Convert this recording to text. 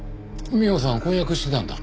美緒さん婚約してたんだ。